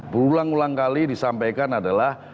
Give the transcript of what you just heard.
berulang ulang kali disampaikan adalah